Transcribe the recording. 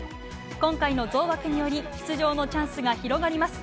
今回の増枠により、出場のチャンスが広がります。